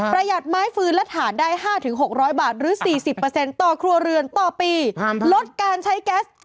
ประหยัดไม้ฟื้นและถานได้๕๖๐๐บาทหรือ๔๐ต่อครัวเรือนต่อปี